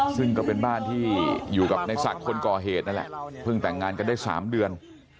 ซึ่งก็เป็นบ้านที่อยู่กับในศักดิ์คนก่อเหตุนั่นแหละเพิ่งแต่งงานกันได้๓เดือน